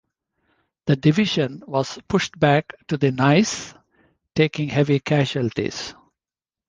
The division was pushed back to the Neisse, taking heavy casualties.